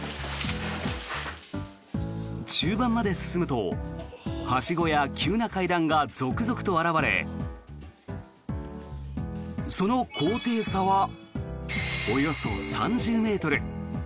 中盤まで進むとはしごや急な階段が続々と現れその高低差はおよそ３０ｍ。